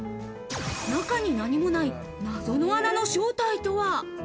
中に何もない謎の穴の正体とは。